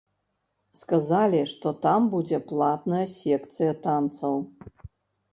Сказалі, што там будзе платная секцыя танцаў.